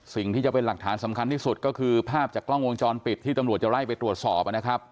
สิ่งที่จะเป็นหลักฐานสำคัญที่สุดก็คือภาพจากกล้องวงจรปิดที่ตำรวจจะไล่ไปตรวจสอบนะครับ